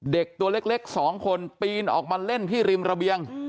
เด็กตัวเล็ก๒คนปีนออกมาเล่นที่ริมระเบียง